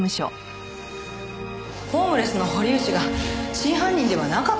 ホームレスの堀内が真犯人ではなかった？